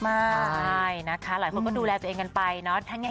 ใช่นะคะหลายคนก็ดูแลตัวเองกันไปเนาะ